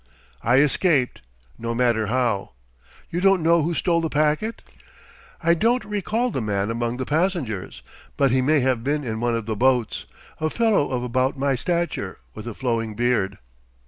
"I escaped, no matter how...." "You don't know who stole the packet?" "I don't recall the man among the passengers, but he may have been in one of the boats, a fellow of about my stature, with a flowing beard...."